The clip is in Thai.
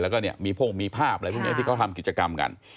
แล้วก็มีภาพอะไรพวกนี้ที่เขาทำกิจกรรมกัน